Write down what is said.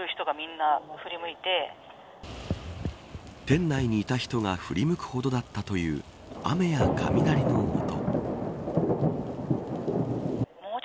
店内にいた人が振り向くほどだったという雨や雷の音。